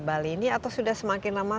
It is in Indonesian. bali ini atau sudah semakin lama